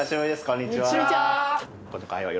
こんにちは